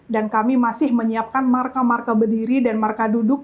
dan kami masih menyiapkan marka marka berdiri dan marka duduk